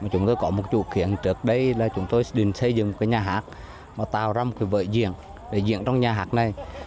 chúng tôi có một chủ kiện trước đây là chúng tôi xây dựng một cái nhà hạc mà tạo ra một cái vợi diện để diện trong nhà hạc này